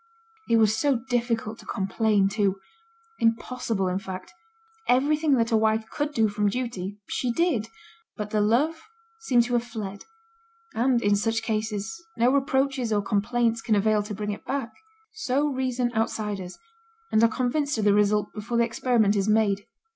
It was so difficult to complain, too; impossible, in fact. Everything that a wife could do from duty she did; but the love seemed to have fled, and, in such cases, no reproaches or complaints can avail to bring it back. So reason outsiders, and are convinced of the result before the experiment is made.